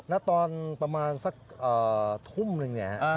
ณตอนประมาณสักทุ่มนึงเนี่ย